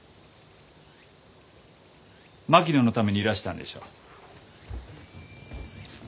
槙野のためにいらしたんでしょう？